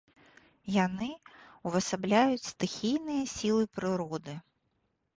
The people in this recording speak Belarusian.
Яны ўвасабляюць стыхійныя сілы прыроды.